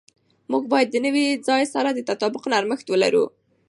موږ باید د نوي ځای سره د تطابق نرمښت ولرو.